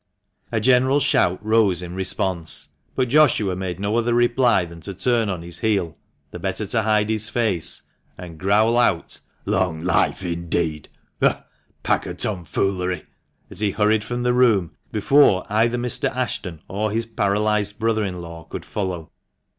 A general shout rose in response, but Joshua made no other reply than to turn on his heel (the better to hide his face), and growl out, " Long life, indeed ! Ugh ! pack of tomfoolery !" as he hurried from the room, before either Mr. Ashton or his paralysed brother in law could follow.